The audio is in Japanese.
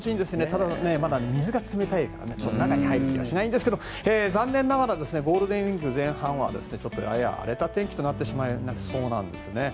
ただ、まだ水が冷たいから中に入る気はしないんですけど残念ながらゴールデンウィーク前半はちょっとやや荒れた天気となってしまいそうなんですね。